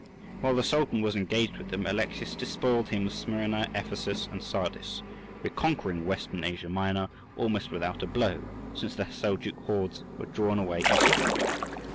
While the Sultan was engaged with them Alexius despoiled him of Smyrna, Ephesus, and Sardis, reconquering Western Asia Minor almost without a blow, since the Seljouk hordes were drawn away eastward.